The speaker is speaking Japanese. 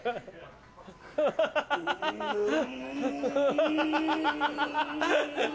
ハハハハ。